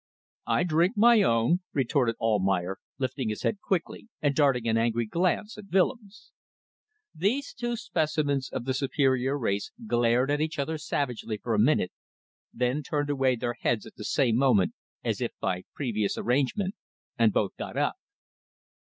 "I drink my own," retorted Almayer, lifting his head quickly and darting an angry glance at Willems. Those two specimens of the superior race glared at each other savagely for a minute, then turned away their heads at the same moment as if by previous arrangement, and both got up.